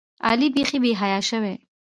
علي بیخي بېحیا شوی.